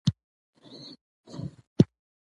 تنوع د افغانستان د جغرافیې بېلګه ده.